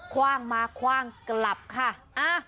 ว่างมาคว่างกลับค่ะ